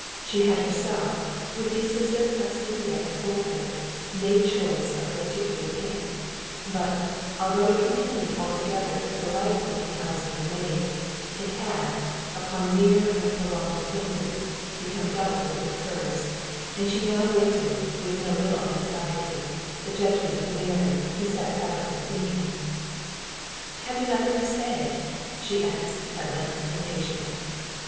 She had herself, with the assistance of Sepia and Folter, made choice of the particular pink; but, although it continued altogether delightful in the eyes of her maid, it had, upon nearer and pro longed acquaintance, become doubtful in hers; and she now waited, with no little anxiety, the judgment of Mary, who sat silently thinking. "Have you nothing to say?" she asked, at length, impatiently.